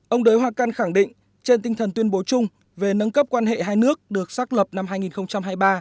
ông đới hoa căn khẳng định trên tinh thần tuyên bố chung về nâng cấp quan hệ hai nước được xác lập năm hai nghìn hai mươi ba